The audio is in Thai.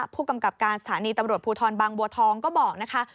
ผู้กำกับการสถานีตำรวจภูทรบางบัวทองก็บอกนะคะ